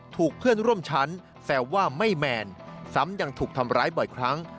ถูกเพื่อนร่วมชั้นแซวว่าไม่แมนซ้ำยังถูกทำร้ายบ่อยครั้ง